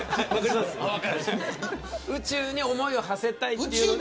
宇宙に思いをはせたいというので。